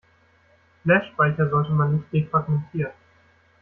Flashspeicher sollte man nicht defragmentieren.